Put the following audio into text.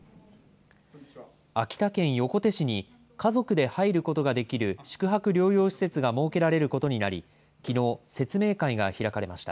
秋田県横手市に、家族で入ることができる宿泊療養施設が設けられることになり、きのう、説明会が開かれました。